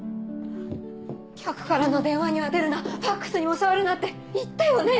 客からの電話には出るなファックスにも触るなって言ったよね？